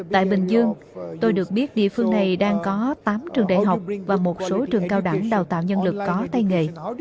tại bình dương tôi được biết địa phương này đang có tám trường đại học và một số trường cao đẳng đào tạo nhân lực có tay nghề